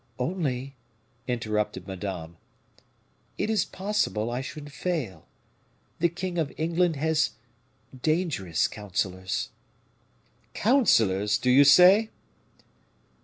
"Only," interrupted Madame, "it is possible I should fail. The king of England has dangerous counselors." "Counselors, do you say?"